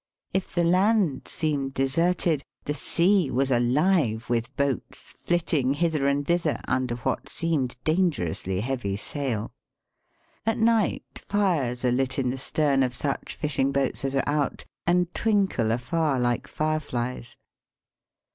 If the land seemed deserted the Sea was alive with boats flitting hither and thither under what seemed dangerously heavy sail. At night fires are Digitized by VjOOQIC THE GIBBALTAB OP THE EAST. 109 lit in the stern of such fishing boats as are oat, and twinkle afar like fire flies.